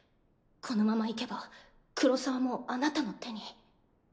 このままいけば黒澤もあなたの手に。